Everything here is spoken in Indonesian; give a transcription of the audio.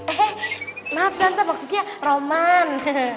eh maaf tante maksudnya roman